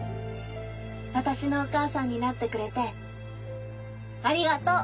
私のお母さんになってくれてありがとう。